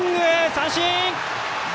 三振！